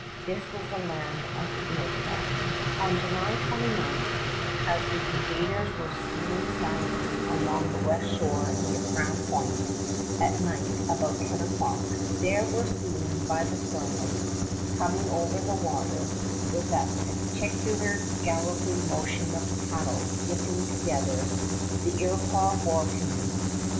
This was the land of the Iroquois. [Illustration: DEFEAT OF THE IROQUOIS (From Champlain's drawing)] On July 29, as the invaders were stealing silently along the west shore near Crown Point at night about ten o'clock, there were seen by the starlight, coming over the water with that peculiar galloping motion of paddlers dipping together, the Iroquois war canoes.